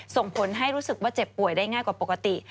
ส่งผลให้รู้สึกว่าเจ็บป่วยได้ง่ายกว่าปกติ